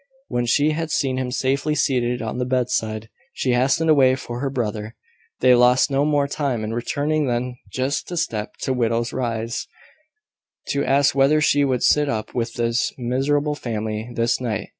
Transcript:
When she had seen him safely seated on the bedside, she hastened away for her brother. They lost no more time in returning than just to step to Widow Rye's, to ask whether she would sit up with this miserable family this night.